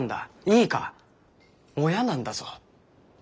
いいか親なんだぞ。